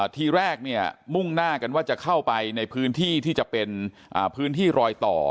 ทีแรกเนี่ยมุ่งหน้ากันว่าจะเข้าไปในพื้นที่ที่จะเป็นพื้นที่รอยต่อ